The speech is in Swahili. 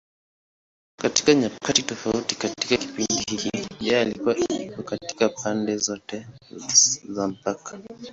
Katika nyakati tofauti katika kipindi hiki, yeye ilikuwa iko katika pande zote za mpaka.